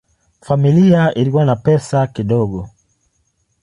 Familia ilikuwa ina pesa kidogo.